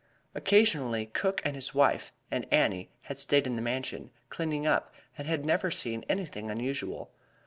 Occasionally, Cook and his wife and Annie had stayed in the Mansion, cleaning up, and had never seen anything unusual.